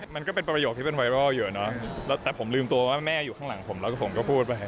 มันก็เป็นประโยคที่เป็นไวรัลเยอะเนอะแต่ผมลืมตัวว่าแม่อยู่ข้างหลังผมแล้วก็ผมก็พูดไป